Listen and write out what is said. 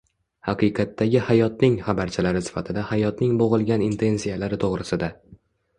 “haqiqatdagi hayotning” xabarchilari sifatida hayotning bo‘g‘ilgan intensiyalari to‘g‘risida